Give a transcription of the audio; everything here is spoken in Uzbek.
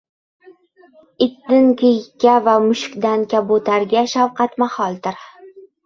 Itdin kiyikka va mushukdan kabutarga shafqat maholdir.